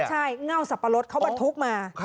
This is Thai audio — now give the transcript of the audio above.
ใช่เง่าสับปะรดเขาบรรทุกมา